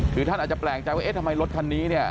คือท่านอาจแปลงใจว่าทำไมรถคันนี้